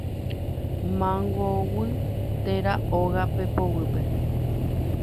Mangoguy térã óga pepoguýpe